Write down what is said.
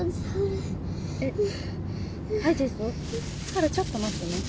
沙羅ちょっと待ってね。